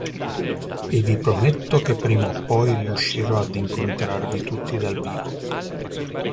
E vi prometto che prima o poi riuscirò ad incontrarvi tutti dal vivo!